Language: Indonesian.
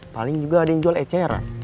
paling juga ada yang jual eceran